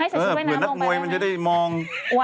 เหมือนนักมวยมันจะได้มอง